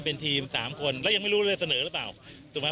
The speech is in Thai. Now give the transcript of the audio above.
เย็นไหลครับผมว่าระแต่ภาคครับ